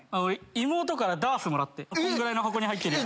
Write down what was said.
妹からダースもらってこんぐらいの箱に入ってるやつ。